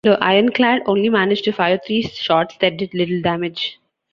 The ironclad only managed to fire three shots that did little damage.